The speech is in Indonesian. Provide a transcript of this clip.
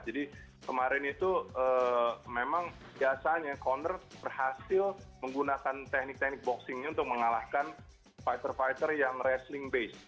jadi kemarin itu memang biasanya conor berhasil menggunakan teknik teknik boxingnya untuk mengalahkan fighter fighter yang wrestling base